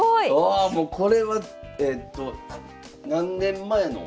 わこれはえっと何年前の？